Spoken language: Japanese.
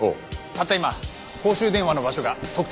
たった今公衆電話の場所が特定できました。